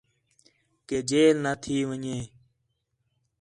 کہ جیل نہ تھی ون٘ڄے